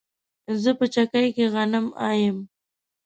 زه په چکۍ کې غنم اڼم